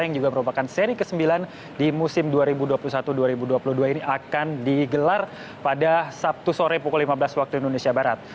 yang juga merupakan seri ke sembilan di musim dua ribu dua puluh satu dua ribu dua puluh dua ini akan digelar pada sabtu sore pukul lima belas waktu indonesia barat